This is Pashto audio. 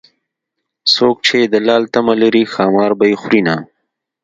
څوک چې د لال تمه لري ښامار به يې خورینه